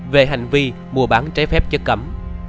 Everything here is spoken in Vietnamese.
về hành vi mua bán trái phép chất cấm